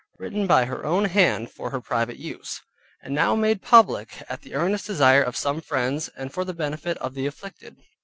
Written by her own hand for her private use, and now made public at the earnest desire of some friends, and for the benefit of the afflicted.